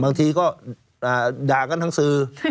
บางทีก็ด่ากันทางสื่อ